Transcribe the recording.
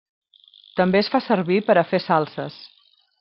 També es fa servir per a fer salses.